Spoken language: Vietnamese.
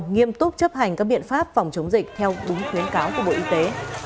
nghiêm túc chấp hành các biện pháp phòng chống dịch theo đúng khuyến cáo của bộ y tế